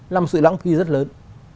là một sự lãng phí rất lớn